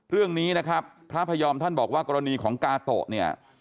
เรื่องนี้นะครับพระพยอมท่านบอกว่ากรณีของกาโตะเนี่ย